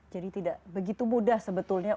jadi tidak begitu mudah sebetulnya